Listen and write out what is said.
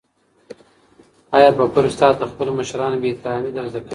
آیا په کورس کې تاته د خپلو مشرانو بې احترامي در زده کوي؟